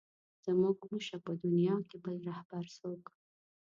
زموږ مه شه په دنیا کې بل رهبر څوک.